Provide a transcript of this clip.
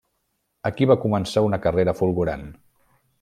Aquí va començar una carrera fulgurant.